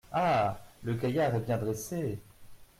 Ah ! le gaillard est bien dressé …